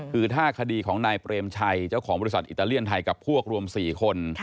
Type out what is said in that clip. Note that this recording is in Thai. คือถ้าคดีของนายเปรมชัยเจ้าของบริษัทอิตาเลียนไทยกับพวกรวม๔คน